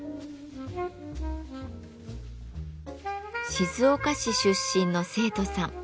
静岡市出身の生徒さん。